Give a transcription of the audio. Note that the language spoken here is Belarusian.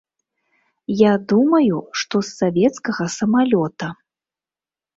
Я думаю, што з савецкага самалёта.